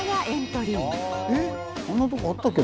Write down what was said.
えっこんなとこあったっけ？